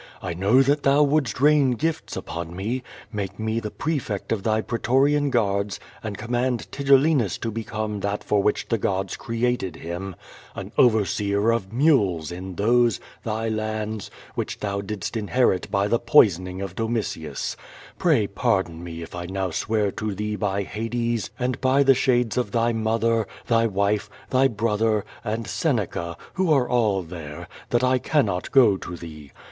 I know that thou wouldst rain gifts upon me, make me the prefect of thy pretorian guards and command Tigellinus to become that for which the gods created him, an overseer of mules in those, thy lands, which thou flidst inherit by the poisoning of Domitius, Pray pardon me if now I swear to thoe by Hades and by the shades of thymother, thy wife, thy brother, and Seneca, who are all there, that I can not go to thoe.